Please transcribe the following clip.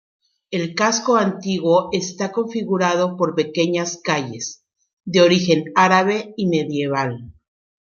El casco antiguo está configurado por pequeñas calles, de origen árabe y medieval.